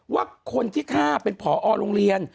ว่าคนที่ฆ่าเป็นผอโรงเรียน